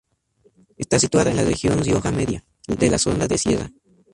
Está situada en la región Rioja Media, de la zona de Sierra.